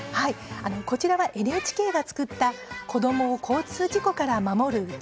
こちらはＮＨＫが作った子どもを交通事故から守る歌